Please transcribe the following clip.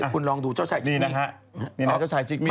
คุณลองดูเจ้าชายจิ๊กมี่